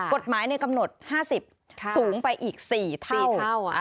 กฎหมายกำหนด๕๐สูงไปอีก๔เท่า